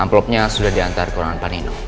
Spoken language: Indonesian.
amplopnya sudah diantar ke ruangan pak nino